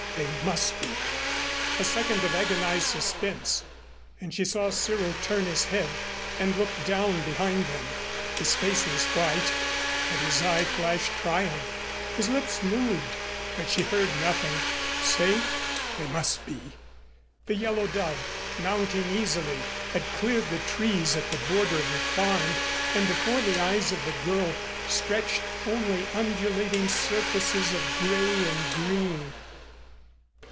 They must be. A second of agonized suspense and she saw Cyril turn his head and look down behind them. His face was white but his eye flashed triumph. His lips moved, but she heard nothing. Safe? They must be. The Yellow Dove, mounting easily, had cleared the trees at the border of the farm and before the eyes of the girl stretched only undulating surfaces of gray and green.